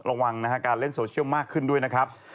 ระวังนะฮะการเล่นโซเชียลมากขึ้นด้วยนะครับ